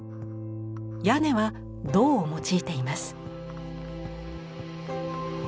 屋根は銅を用いています。